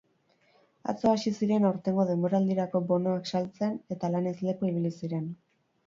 Atzo hasi ziren aurtengo denboraldirako bonoak saltzen eta lanez lepo ibili ziren.